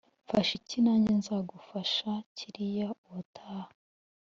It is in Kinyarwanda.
mfasha iki nange nzagufasha kiriya ubutaha,